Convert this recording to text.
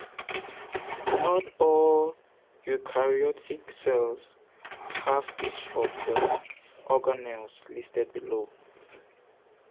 Not all eukaryotic cells have each of the organelles listed below.